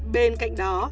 bên cạnh đó